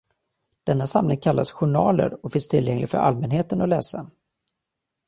Denna samling kallas ”journaler” och finns tillgänglig för allmänheten att läsa.